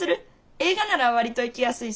映画なら割と行きやすいし。